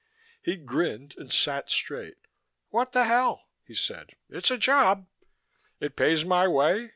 He grinned and sat straight. "What the hell," he said "It's a job. It pays my way.